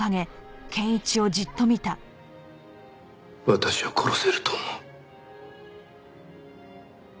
私は殺せると思う。